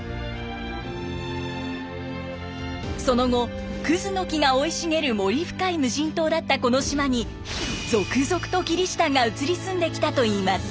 その後クズの木が生い茂る森深い無人島だったこの島に続々とキリシタンが移り住んできたといいます。